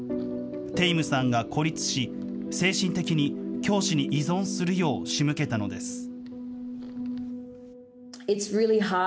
テイムさんが孤立し、精神的に教師に依存するよう仕向けたのです。